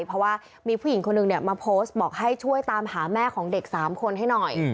เพราะว่ามีผู้หญิงคนหนึ่งมาโพสต์บอกให้ช่วยตามหาแม่ของเด็ก๓คนให้หน่อย